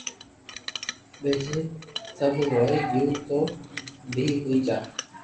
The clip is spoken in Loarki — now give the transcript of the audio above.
باڪي سب ھوئي گيو تو بي ھوئي جا